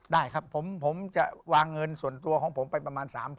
ได้ครับผมจะวางเงินส่วนตัวของผมไปประมาณ๓๐๐๐